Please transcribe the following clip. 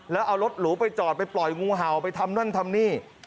แล้วเอารถหรูไปจอดไปปล่อยงูเห่าไปทำนั่นทำนี่